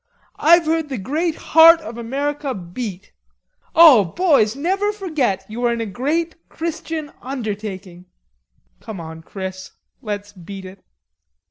I've heard the great heart of America beat. O boys, never forget that you are in a great Christian undertaking." "Come on, Chris, let's beat it."